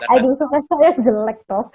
aging suka saya jelek prof